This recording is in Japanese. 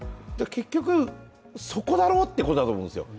結局、そこだろうということだろうと思うんですよ。